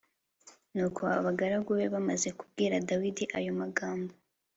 Nuko abagaragu be bamaze kubwira Dawidi ayo magambo